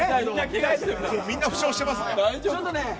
みんな負傷してますね。